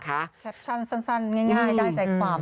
แคปชั่นสั้นง่ายได้ใจความ